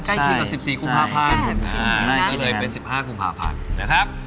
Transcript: อเจมส์เค้าเร่งเป็น๑๕กุ่มภาพันธ์นะครับ